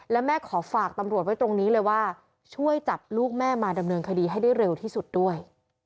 และแม่ขอฝากตำรวจไว้ตรงนี้เลยว่าช่วยจับลูกแม่มาดำเนินคดีให้ได้เร็วที่สุดด้วย